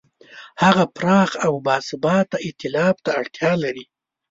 هغه پراخ او باثباته ایتلاف ته اړتیا لري.